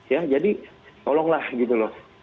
ya jadi tolonglah gitu loh